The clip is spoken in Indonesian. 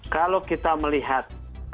kalau kita melihat ya